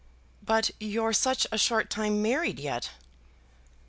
"But you're such a short time married yet."